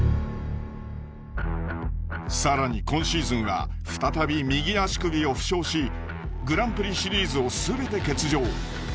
更に今シーズンは再び右足首を負傷しグランプリシリーズを全て欠場。